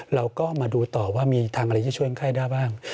เราก็มาดูต่อว่ามีทางอะไรที่จะช่วยไข้ได้บ้าง